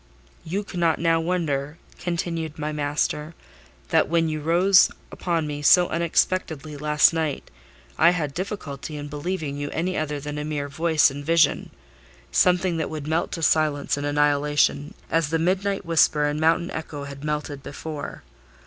"You cannot now wonder," continued my master, "that when you rose upon me so unexpectedly last night, I had difficulty in believing you any other than a mere voice and vision, something that would melt to silence and annihilation, as the midnight whisper and mountain echo had melted before.